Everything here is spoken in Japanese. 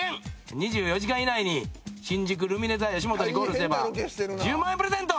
２４時間以内に新宿ルミネｔｈｅよしもとにゴールすれば１０万円プレゼント！